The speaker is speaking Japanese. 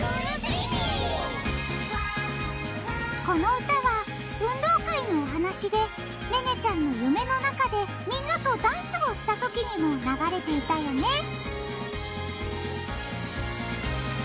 この歌は運動会のお話でねねちゃんの夢の中でみんなとダンスをしたときにも流れていたよね